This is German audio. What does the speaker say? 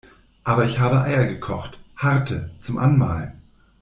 Aber ich habe Eier gekocht, harte, zum Anmalen.